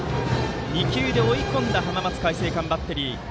２球で追い込んだ浜松開誠館バッテリー。